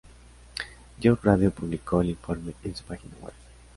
Youth Radio publicó el informe en su página web.